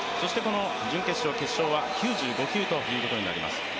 準決勝、決勝は９５球ということになります。